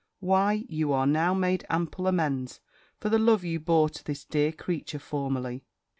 "Why you are now made ample amends for the love you bore to this dear creature formerly."